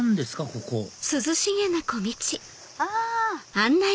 ここあ！